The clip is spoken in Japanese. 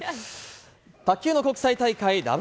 卓球の国際大会、ＷＴＴ。